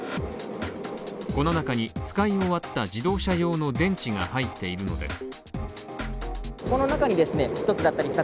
この中に、使い終わった自動車用の電池が入っているのです。